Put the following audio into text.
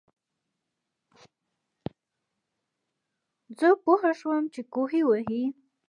زۀ پوهه شوم چې کوهے وهي